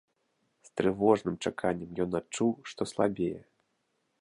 З трывожным чаканнем ён адчуў, што слабее.